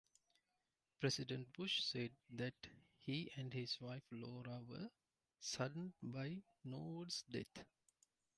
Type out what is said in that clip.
President Bush said that he and his wife Laura were saddened by Norwood's death.